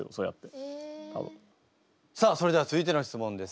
さあそれでは続いての質問です。